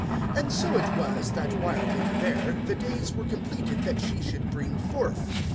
(6)And so it was, that, while they were there, the days were completed that she should bring forth.